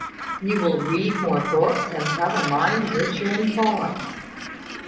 You will read more books, and have a mind richer in thoughts.